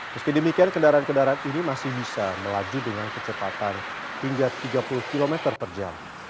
meski demikian kendaraan kendaraan ini masih bisa melaju dengan kecepatan hingga tiga puluh km per jam